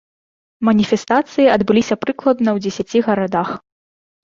Маніфестацыі адбыліся прыкладна ў дзесяці гарадах.